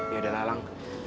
ya udah lah lang